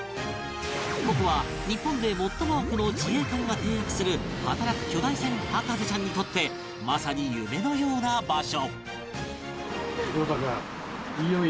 ここは日本で最も多くの自衛艦が停泊する働く巨大船博士ちゃんにとってまさに夢のような場所